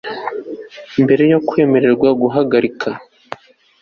mbere yo kwemererwa guhagarika